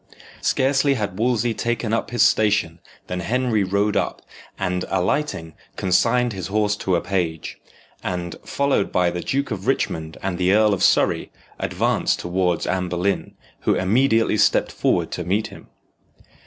Scarcely had Wolsey taken up his station than Henry rode up, and, alighting, consigned his horse to a page, and, followed by the Duke of Richmond and the Earl of Surrey, advanced towards Anne Boleyn, who immediately stepped forward to meet him.